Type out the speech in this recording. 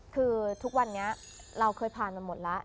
คือทุกวันนี้เราเคยผ่านมาหมดแล้ว